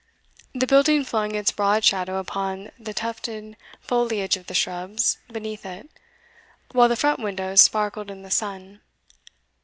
The building flung its broad shadow upon the tufted foliage of the shrubs beneath it, while the front windows sparkled in the sun.